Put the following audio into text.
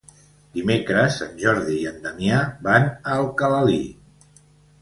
Dimecres en Jordi i en Damià van a Alcalalí.